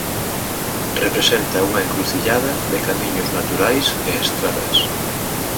Representa unha encrucillada de camiños naturais e estradas.